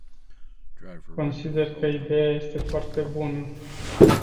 Consider că ideea este foarte bună.